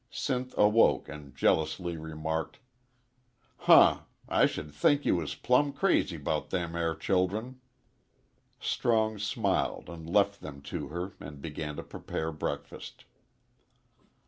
Sinth awoke and jealousy remarked, "Huh! I should think you was plumb crazy 'bout them air childern." Strong smiled and left them to her and began to prepare breakfast.